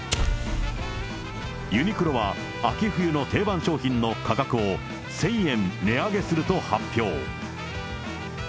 ユニクロは、秋冬の定番商品の価格を１０００円値上げすると発表。